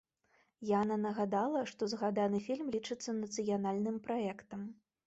Яна нагадала, што згаданы фільм лічыцца нацыянальным праектам.